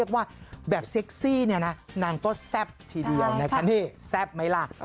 ว่าแบบเซ็กซี่นางก็แซ่บทีเดียวในที่แซ่บมั้ยล่ะ